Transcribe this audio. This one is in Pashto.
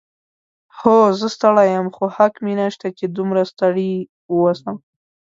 هو، زه ستړی یم، خو حق مې نشته چې دومره ستړی واوسم.